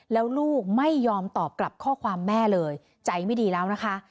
แล้วลูกไม่ยอมตอบกลับข้อความแม่เลยใจไม่ดีแล้วนะคะ